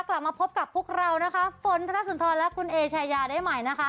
กลับมาพบกับพวกเรานะคะฝนธนสุนทรและคุณเอชายาได้ใหม่นะคะ